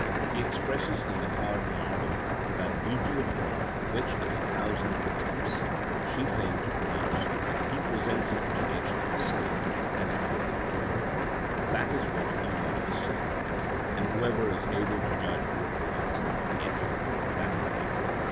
He expresses in the hard marble that beauty of form which in a thousand attempts she failed to produce, he presents it to nature, saying, as it were, to her, "That is what you wanted to say!" And whoever is able to judge replies, "Yes, that is it."